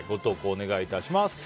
お願いします。